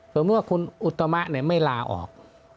สมมุติว่าคุณอุตมะไม่ลาออก